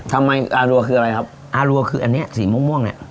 ทำไมอารัวคืออะไรครับอารัวคืออันเนี้ยสีม่วงม่วงเนี้ย